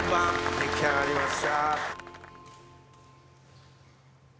出来上がりました。